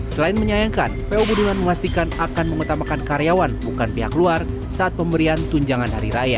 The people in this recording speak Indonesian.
selain menyayangkan po budiman memastikan akan mengutamakan karyawan bukan pihak luar saat pemberian tunjangan hari raya